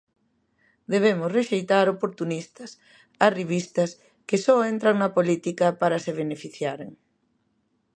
Debemos rexeitar oportunistas, arribistas que só entran na política para se beneficiaren